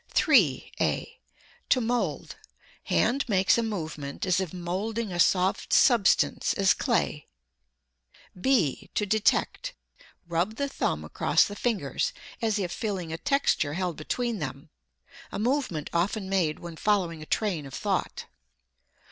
3. (a) To mold: hand makes a movement as if molding a soft substance, as clay; (b) to detect: rub the thumb across the fingers as if feeling a texture held between them. (A movement often made when following a train of thought.)